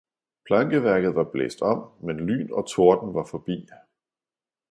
Plankeværket var blæst om, men lyn og torden var forbi.